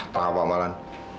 tahu apa malam